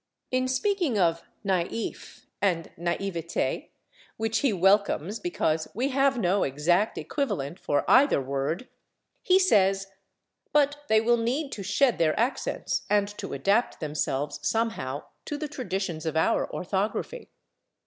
In speaking of /naïf/ and /naïveté/, which he welcomes because "we have no exact equivalent for either word," he says: "But they will need to shed their accents and to adapt themselves somehow to the traditions of our orthography."